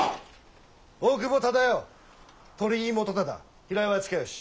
大久保忠世鳥居元忠平岩親吉